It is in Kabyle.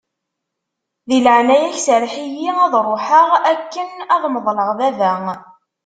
Di leɛnaya-k, serreḥ-iyi ad ṛuḥeɣ akken ad meḍleɣ baba.